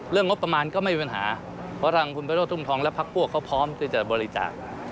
งบประมาณก็ไม่มีปัญหาเพราะทางคุณประโรธทุ่มทองและพักพวกเขาพร้อมที่จะบริจาค